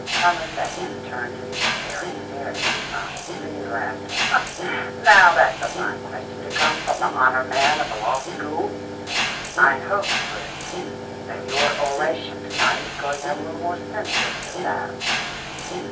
Herman Beckman turned in his chair and stared at his son. Then he laughed. "Now, that's a fine question to come from the honour man of a law school! I hope, Fritz, that your oration to night is going to have a little more sense in it than that."